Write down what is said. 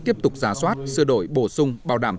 tiếp tục giả soát sửa đổi bổ sung bảo đảm